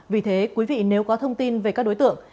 vì thế quý vị nếu có thông tin về các đối tượng